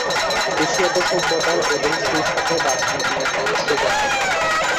এশিয়াতে সভ্যতার এবং সেই সাথে রাজনীতির ইতিহাস সুপ্রাচীন।